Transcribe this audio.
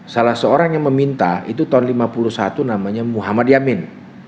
salah seorang yang meminta itu tahun seribu sembilan ratus lima puluh satu namanya muhammad yamin